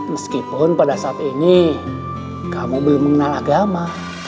meskipun pada saat ini kamu belum mengenal agama